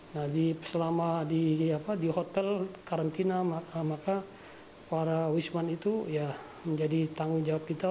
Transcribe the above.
nah selama di hotel karantina maka para wisatawan itu menjadi tanggung jawab kita